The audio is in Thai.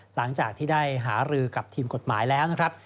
หลังจากที่ได้หารือกับทีมกฎหมายแล้วนะครับ